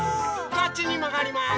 こっちにまがります。